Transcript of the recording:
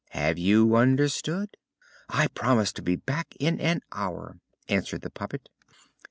Have you understood?" "I promise to be back in an hour," answered the puppet.